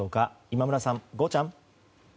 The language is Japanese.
今村さん、ゴーちゃん。